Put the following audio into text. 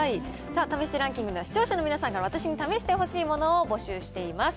試してランキングでは、視聴者の皆さんから、私に試してほしいものを募集しています。